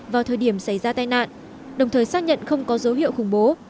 vào thời điểm xảy ra tai nạn đồng thời xác nhận không có dấu hiệu khủng bố